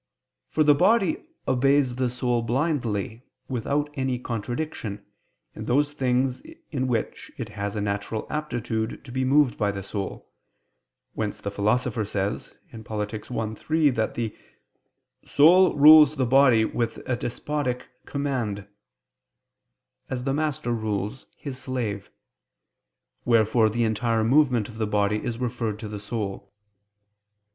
For the body obeys the soul blindly without any contradiction, in those things in which it has a natural aptitude to be moved by the soul: whence the Philosopher says (Polit. i, 3) that the "soul rules the body with a despotic command" as the master rules his slave: wherefore the entire movement of the body is referred to the soul.